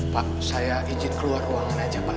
pak saya izin keluar ruangan aja pak